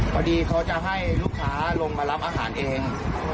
พอดีเขาจะให้ลูกค้าลงมารับอาหารเอง